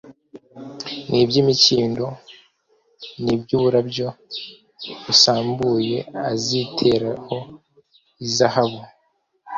n’iby’imikindo n’iby’uburabyo busambuye, aziteraho izahabu